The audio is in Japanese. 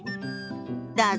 どうぞ。